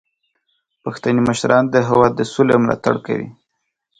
پښتني مشران د هیواد د سولې ملاتړ کوي.